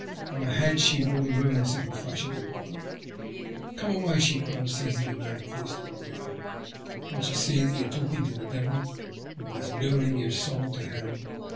On her head she wore the ruins of a fashionable bonnet. ENGLAND ONCE MORE. 47 " Come away !'* she cried, seizing the man fiercely by the arm. " Can't you see that you are talking to the Devil, and that he*s luring your soul to hell?